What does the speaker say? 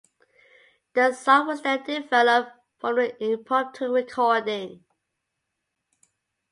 The song was then developed from the impromptu recording.